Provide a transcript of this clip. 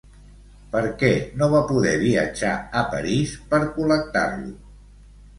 Per què no va poder viatjar a París per col·lectar-lo?